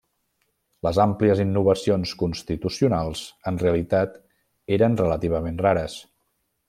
Les àmplies innovacions constitucionals en realitat eren relativament rares.